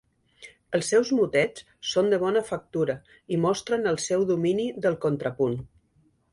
Els seus motets són de bona factura i mostren el seu domini del contrapunt.